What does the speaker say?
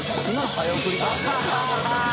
早送りか？」